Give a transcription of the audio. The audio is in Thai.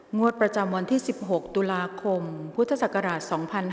งวดประจำวันที่๑๖ตุลาคมพุทธศักราช๒๕๕๙